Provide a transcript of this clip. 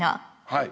はい。